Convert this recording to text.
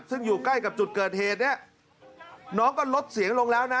ซึ่งอยู่ใกล้กับจุดเกิดเหตุเนี่ยน้องก็ลดเสียงลงแล้วนะ